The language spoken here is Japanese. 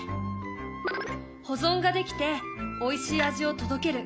保存ができておいしい味を届ける。